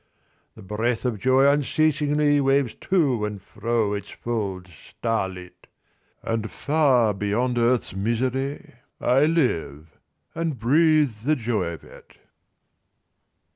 'The breath of joy unceasingly Waves to and fro its folds starlit, And far beyond earth's misery I live and breathe the joy of it.'